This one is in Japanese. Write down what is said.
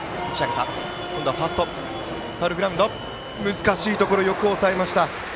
難しいところ、よく抑えました。